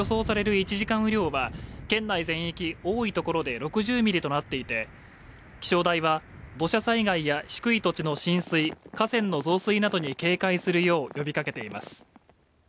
１時間雨量は県内全域多い所で６０ミリとなっていて気象台は土砂災害や低い土地の浸水、河川の増水などに警戒するよう呼びかけています